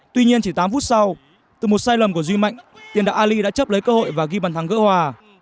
tuy nhiên chỉ tám phút sau từ một sai lầm của duy mạnh tiền đạo ali đã chấp lấy cơ hội và ghi bàn thắng gỡ hòa